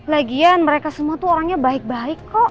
lagian mereka semua tuh orangnya baik baik kok